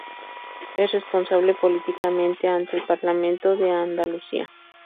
Es responsable políticamente ante el Parlamento de Andalucía.